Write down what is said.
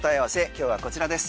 今日はこちらです。